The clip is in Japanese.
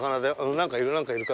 何かいる。